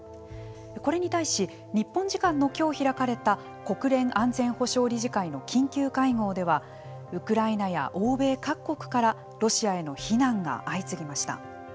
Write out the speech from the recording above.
これに対し日本時間のきょう開かれた国連安全保障理事会の緊急会合ではウクライナや欧米各国からロシアへの非難が相次ぎました。